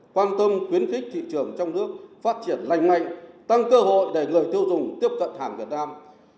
quan tâm khuyến khích thị trường trong nước phát triển lành mạnh tăng cơ hội để người tiêu dùng tiếp cận hàng việt nam